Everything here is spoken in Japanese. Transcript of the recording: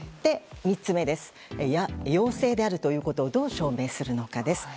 ３つ目は陽性であるということをどう証明するのか。